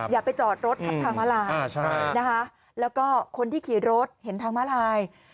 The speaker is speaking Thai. อย่าไปจอดรถทับทางมาลายนะคะแล้วก็คนที่ขี่รถเห็นทางมาลาย